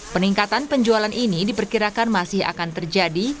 peningkatan penjualan ini diperkirakan masih akan terjadi